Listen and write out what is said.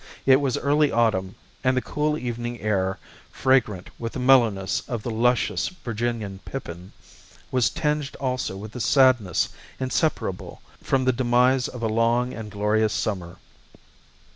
It was early autumn, and the cool evening air, fragrant with the mellowness of the luscious Virginian pippin, was tinged also with the sadness inseparable from the demise of a long and glorious summer.